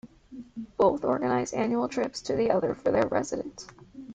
Both organise annual trips to the other for their residents.